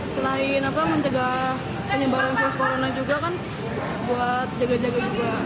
selain mencegah penyebaran virus corona juga kan buat jaga jaga juga